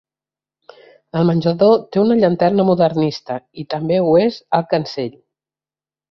El menjador té una llanterna modernista, i també ho és el cancell.